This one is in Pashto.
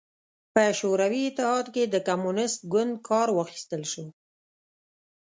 په شوروي اتحاد کې د کمونېست ګوند کار واخیستل شو.